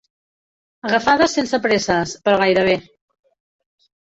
Agafades sense presses, però gairebé.